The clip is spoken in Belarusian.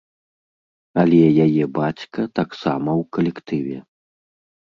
Але яе бацька таксама ў калектыве.